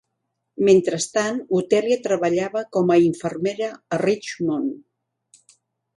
Mentrestant, Otelia treballava com a infermera a Richmond.